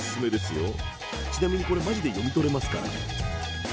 ちなみにこれマジで読み取れますから。